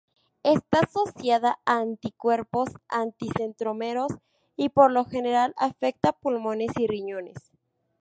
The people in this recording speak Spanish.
Está asociada a anticuerpos anti-centrómeros, y por lo general afecta pulmones y riñones.